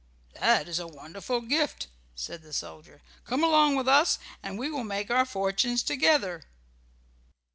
"That is a wonderful gift," said the soldier. "Come along with us, and we will make our fortunes together.